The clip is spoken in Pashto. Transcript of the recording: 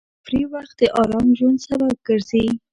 د تفریح وخت د ارام ژوند سبب ګرځي.